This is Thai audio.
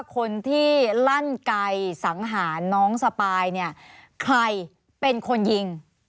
คนที่ลั่นไกลสังหารน้องสปายเนี่ยใครเป็นคนยิง